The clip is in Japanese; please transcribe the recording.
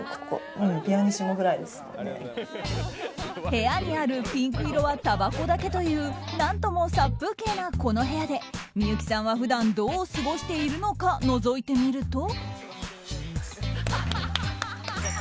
部屋にあるピンク色はたばこだけという何とも殺風景なこの部屋で幸さんは普段どう過ごしているのかのぞいてみると。